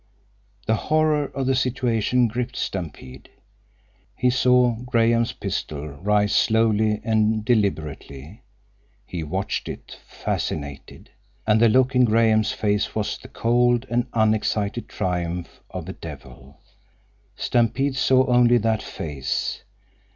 The horror of the situation gripped Stampede. He saw Graham's pistol rise slowly and deliberately. He watched it, fascinated. And the look in Graham's face was the cold and unexcited triumph of a devil. Stampede saw only that face.